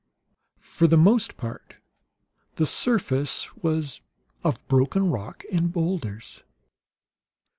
For the most part the surface was of broken rock and boulders.